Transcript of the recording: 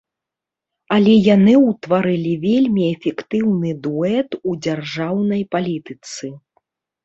Але яны ўтварылі вельмі эфектыўны дуэт у дзяржаўнай палітыцы.